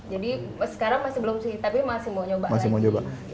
jadi sekarang masih belum sih tapi masih mau coba lagi